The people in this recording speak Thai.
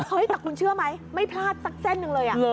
แต่คุณเชื่อไหมไม่พลาดสักเส้นหนึ่งเลย